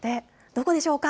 どこでしょうか。